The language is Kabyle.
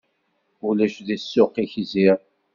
Ulac deg ssuq-ik ziɣ!